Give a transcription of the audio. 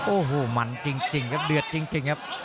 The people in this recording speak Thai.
โอ้โหมันจริงครับเดือดจริงครับ